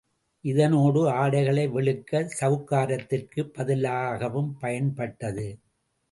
இதனோடு ஆடைகளை வெளுக்கச் சவுக்காரத்திற்குப் பதிலாகவும் பயன்பட்டது.